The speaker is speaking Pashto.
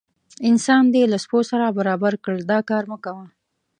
انسان دې له سپو سره برابر کړل دا کار مه کوه.